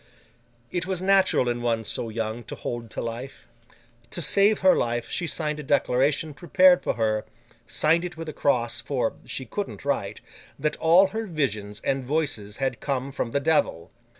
It was natural in one so young to hold to life. To save her life, she signed a declaration prepared for her—signed it with a cross, for she couldn't write—that all her visions and Voices had come from the Devil.